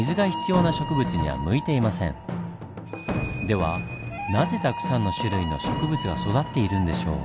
ではなぜたくさんの種類の植物が育っているんでしょう？